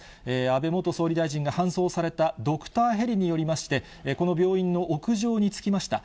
安倍元総理大臣が搬送されたドクターヘリによりまして、この病院の屋上に着きました。